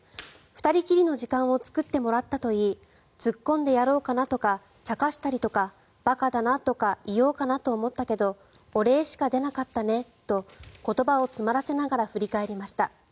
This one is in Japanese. ２人きりの時間を作ってもらったといいツッコんでやろうかなとかちゃかしたりとか馬鹿だなとか言おうかなと思ったけどお礼しか出なかったねと言葉を詰まらせながら振り返りました。